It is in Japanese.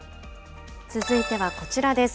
続いてはこちらです。